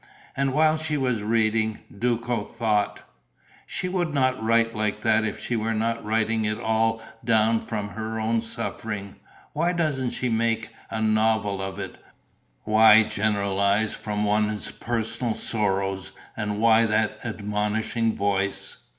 And while she was reading, Duco thought: "She would not write like that if she were not writing it all down from her own suffering. Why doesn't she make a novel of it? Why generalize from one's personal sorrows and why that admonishing voice?..."